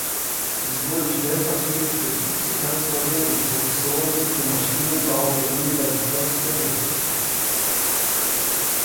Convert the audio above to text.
Sie wurde stellvertretende Vizekanzlerin und Professorin für Maschinenbau der Universität Cambridge.